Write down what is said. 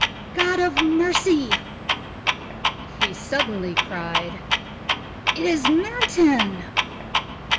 "God of mercy!" he suddenly cried, "it is Manton!"